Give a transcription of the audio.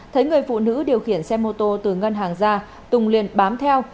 thấy người phụ nữ điều khiển xe mô tô từ ngân hàng ra tùng liền bám theo